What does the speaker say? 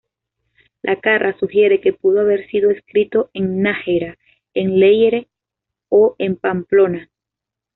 Lacarra sugiere que pudo haber sido escrito en Nájera, en Leyre o en Pamplona.